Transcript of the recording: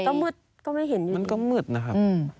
ก็มืดก็ไม่เห็นอยู่มันก็มืดนะครับ